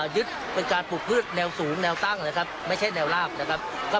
ยึดเป็นการปลูกพืชแนวสูงแนวตั้งนะครับไม่ใช่แนวลาบนะครับ